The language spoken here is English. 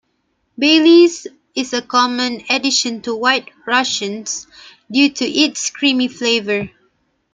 Baileys is a common addition to White Russians, due to its creamy flavour.